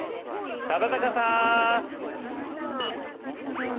忠敬さん！